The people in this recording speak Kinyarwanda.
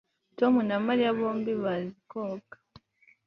Tom na Mariya bombi bazi koga